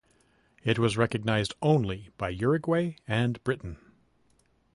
It was recognized only by Uruguay and Britain.